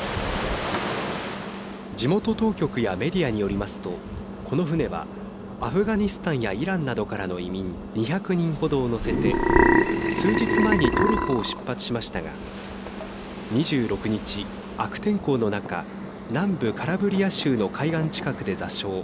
地元当局やメディアによりますとこの船はアフガニスタンやイランなどからの移民２００人程を乗せて数日前にトルコを出発しましたが２６日、悪天候の中南部カラブリア州の海岸近くで座礁。